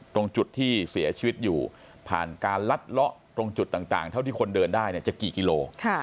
ตรงจุดที่เสียชีวิตอยู่ผ่านการลัดเลาะตรงจุดต่างเท่าที่คนเดินได้จะกี่กิโล